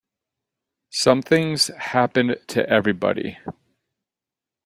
Something's happened to everybody.